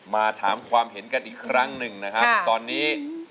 มาถามความเห็นกันอีกครั้งหนึ่งนะครับตอนนี้